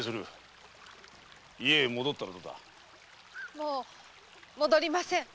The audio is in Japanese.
もう戻りません。